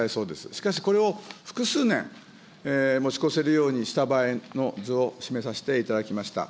しかし、これを複数年、持ちこせるようにした場合の図を示させていただきました。